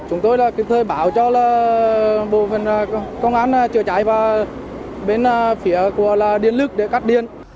chúng tôi là cứ bảo cho bộ phần công an chữa cháy vào bên phía của điện lực để cắt điện